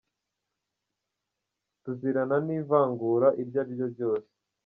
Tuzirana n’ivangura iryo ari ryo ryose,